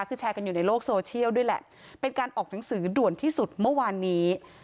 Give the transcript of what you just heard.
คือแชร์กันอยู่ในโลกโซเชียลด้วยแหละเป็นการออกหนังสือด่วนที่สุดเมื่อวานนี้